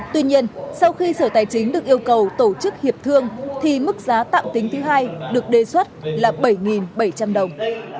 tuy nhiên sau khi sở tài chính được yêu cầu tổ chức hiệp thương thì mức giá tạm tính thứ hai được đề xuất là bảy bảy trăm linh đồng